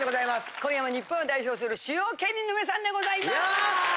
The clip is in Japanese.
今夜も日本を代表する主要県民の皆さんでございます。